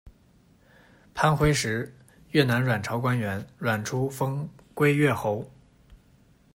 潘辉湜，越南阮朝官员，阮初封圭岳侯。